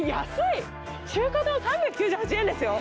中華丼３９８円ですよ。